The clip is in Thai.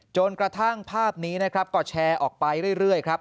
จนกระทั่งภาพนี้นะครับก็แชร์ออกไปเรื่อยครับ